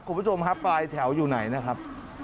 คุณผู้ชมครับปลายแถวอยู่ไหนนะครับ